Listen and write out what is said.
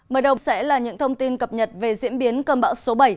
mở đầu sẽ là những thông tin cập nhật về diễn biến cơn bão số bảy